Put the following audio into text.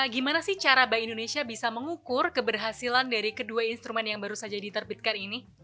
gimana sih cara bank indonesia bisa mengukur keberhasilan dari kedua instrumen yang baru saja diterbitkan ini